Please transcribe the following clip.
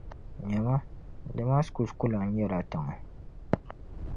Nyama, Damaskus ku lan nyɛla tiŋa.